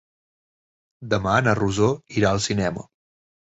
Demà na Rosó irà al cinema.